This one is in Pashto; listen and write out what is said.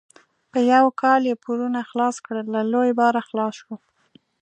په یو کال یې پورونه خلاص کړل؛ له لوی باره خلاص شو.